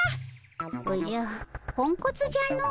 おじゃポンコツじゃの。